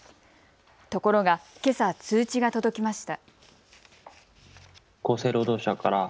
ところが、けさ通知が届きました。